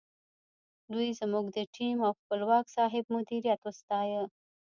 دوی زموږ د ټیم او خپلواک صاحب مدیریت وستایه.